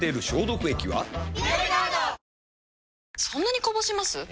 そんなにこぼします？